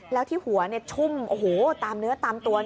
แล้วที่หัวชุ่มโอ้โหตามเนื้อตามตัว